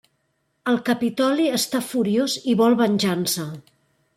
El Capitoli està furiós i vol venjança.